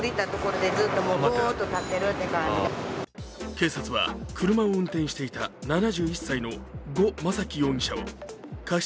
警察は車を運転していた７１歳の呉昌樹容疑者を過失